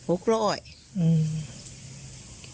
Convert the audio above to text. อืม